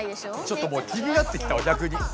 ちょっともう気になってきたわぎゃくに。